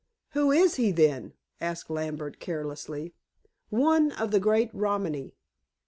"Who is he, then?" asked Lambert carelessly. "One of the great Romany."